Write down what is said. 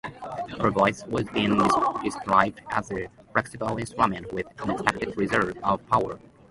Her voice has been described as "a flexible instrument with unexpected reserves of power".